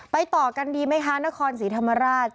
ต่อกันดีไหมคะนครศรีธรรมราช